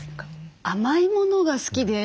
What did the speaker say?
甘い物が好きで。